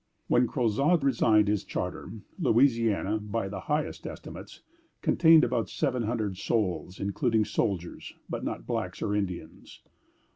When Crozat resigned his charter, Louisiana, by the highest estimates, contained about seven hundred souls, including soldiers, but not blacks or Indians.